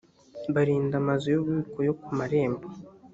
barinda amazu y ububiko yo ku marembo